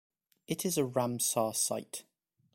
It is a Ramsar site.